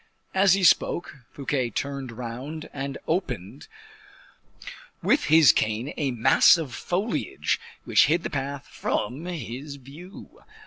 As he spoke, Fouquet turned round, and opened with his cane a mass of foliage which hid the path from his view.